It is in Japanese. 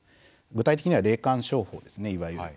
具体的には霊感商法ですねいわゆる。